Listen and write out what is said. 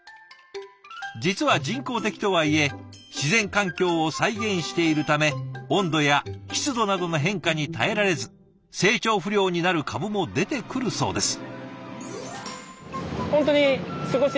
実は人工的とはいえ自然環境を再現しているため温度や湿度などの変化に耐えられず成長不良になる株も出てくるそうです。